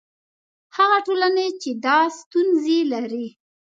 هغه ټولنې چې دا ستونزې لري.